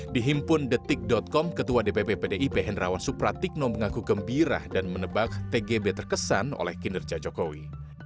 dihimpun detik com ketua dpp pdip hendrawan supratikno mengaku gembira dan menebak tgb terkesan oleh kinerja jokowi